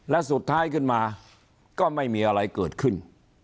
และสุดท้ายขึ้นมาก็ไม่มีอะไรเกิดขึ้น